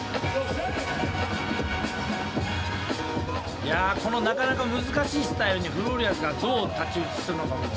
いやこのなかなか難しいスタイルにフローリアーズがどう太刀打ちするのかも。